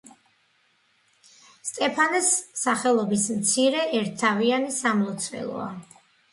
სტეფანეს სახელობის მცირე ერთნავიანი სამლოცველოა.